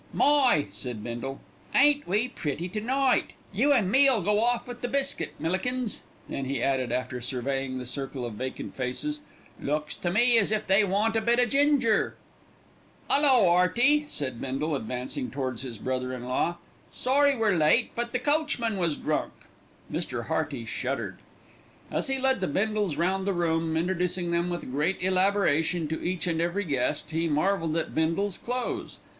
"My!" said Bindle, "ain't we pretty to night. You an' me'll go off with the biscuit, Millikins." Then he added, after surveying the circle of vacant faces, "Looks to me as if they want a bit o' ginger. "'Ullo, 'Earty," said Bindle, advancing towards his brother in law, "sorry we're late, but the coachman was drunk." Mr. Hearty shuddered. As he led the Bindles round the room, introducing them with great elaboration to each and every guest, he marvelled at Bindle's clothes.